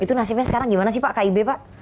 itu nasibnya sekarang gimana sih pak kib pak